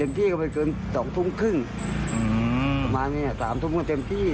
อย่างที่ก็ไปเกิน๒ทุ่มครึ่งประมาณนี้๓ทุ่มก็เต็มที่เลย